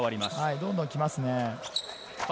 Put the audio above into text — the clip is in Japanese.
どんどん来ますね。